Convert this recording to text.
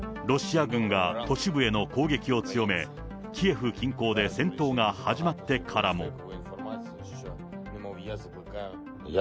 ロシア軍が都市部への攻撃を強め、キエフ近郊で戦闘が始まってからも。